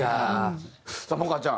さあ萌歌ちゃん